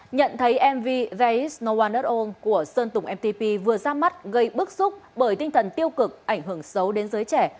nhận thấy mv there is no one at all của sơn tùng mtp vừa ra mắt gây bức xúc bởi tinh thần tiêu cực ảnh hưởng xấu đến giới trẻ